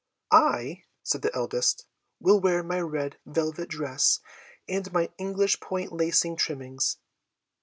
"I," said the eldest, "will wear my red velvet dress and my English point lace trimmings."